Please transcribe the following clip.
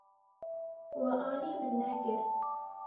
We alî min nekir.